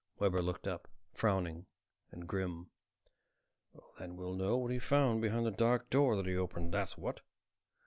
Webber looked up, frowning and grim. "Then we'll know what he found behind the dark door that he opened, that's what."